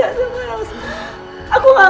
didang jadi ini maafenang aku light